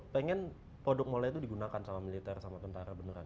pengen produk molai itu digunakan sama militer sama tentara beneran